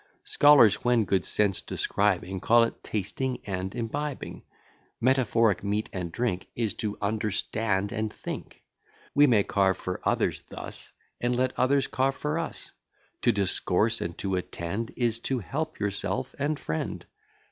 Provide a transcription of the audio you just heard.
Scholars, when good sense describing, Call it tasting and imbibing; Metaphoric meat and drink Is to understand and think; We may carve for others thus; And let others carve for us; To discourse, and to attend, Is, to help yourself and friend.